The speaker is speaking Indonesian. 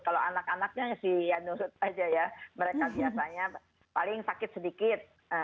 kalau anak anaknya sih ya nusut aja ya mereka biasanya paling sakit sedikit